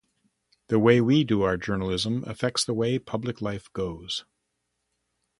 The way we do our journalism affects the way public life goes.